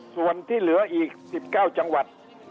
ส่วนที่เหลืออีก๑๙จังหวัด